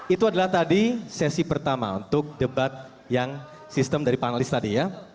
itu adalah tadi sesi pertama untuk debat yang sistem dari panelis tadi ya